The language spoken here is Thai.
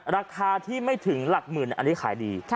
ราคาที่ไม่ถึงหลักหมื่นอันนี้ขายดี